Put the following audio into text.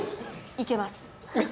いけます